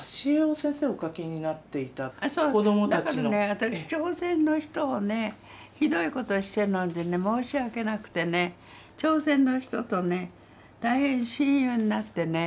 私朝鮮の人をねひどい事してるので申し訳なくてね朝鮮の人とね大変親友になってね